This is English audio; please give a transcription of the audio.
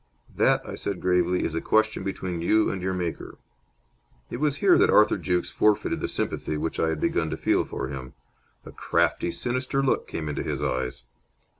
"That," I said, gravely, "is a question between you and your Maker." It was here that Arthur Jukes forfeited the sympathy which I had begun to feel for him. A crafty, sinister look came into his eyes.